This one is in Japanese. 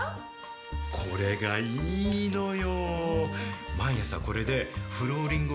これがいいのよ。